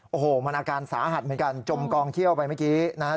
โอ้โหมันอาการสาหัสเหมือนกันจมกองเขี้ยวไปเมื่อกี้นะครับ